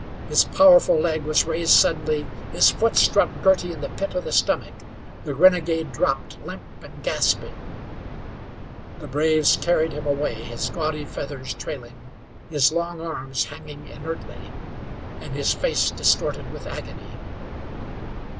His powerful leg was raised suddenly; his foot struck Girty in the pit of the stomach. The renegade dropped limp and gasping. The braves carried him away, his gaudy feathers trailing, his long arms hanging inertly, and his face distorted with agony.